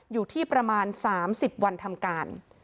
อยู่ที่ประมาณ๓๐วันทำการ